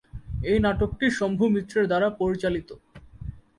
এই নাটকটি শম্ভু মিত্রের দ্বারা পরিচালিত।